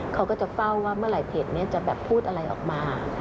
เขาก็จะเฝ้าว่าเมื่อไหร่เพจนี้จะแบบพูดอะไรออกมา